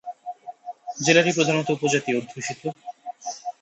জেলাটি প্রধানত উপজাতি অধ্যুষিত।